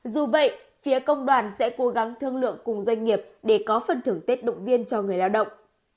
dù vậy phía công đoàn sẽ cố gắng thương lượng cùng doanh nghiệp để có phần thưởng tết động viên cho người lao động